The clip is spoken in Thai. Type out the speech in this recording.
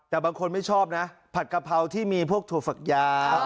แต่บางคนไม่ชอบนะผัดกะเพราที่มีพวกถั่วฝักยาว